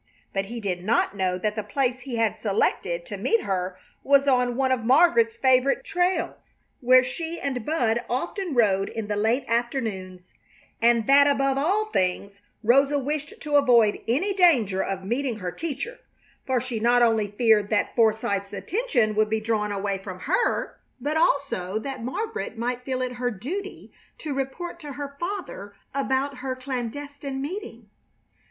But he did not know that the place he had selected to meet her was on one of Margaret's favorite trails where she and Bud often rode in the late afternoons, and that above all things Rosa wished to avoid any danger of meeting her teacher; for she not only feared that Forsythe's attention would be drawn away from her, but also that Margaret might feel it her duty to report to her father about her clandestine meeting.